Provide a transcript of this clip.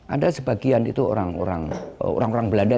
ada sebagian itu orang orang belanda